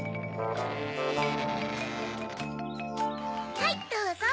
はいどうぞ。